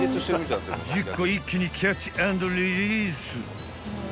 ［１０個一気にキャッチアンドリリース］